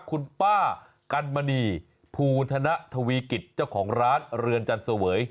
คุณป้ากันมณีภูธนทวีกิจเจ้าของร้านเรือนจันเสวย